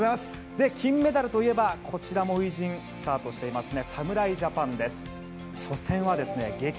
金メダルといえばこちらも初陣、スタートしていますね。